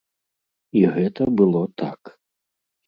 І гэта было так.